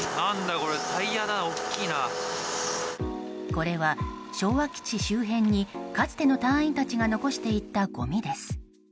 これは昭和基地周辺にかつての隊員たちが残していったごみです。